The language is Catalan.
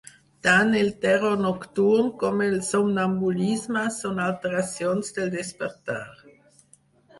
Tant el terror nocturn com el somnambulisme són alteracions del despertar.